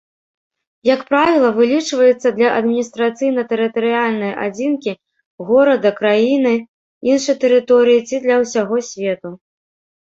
Як правіла, вылічваецца для адміністрацыйна-тэрытарыяльнай адзінкі, горада, краіны, іншай тэрыторыі ці для ўсяго свету.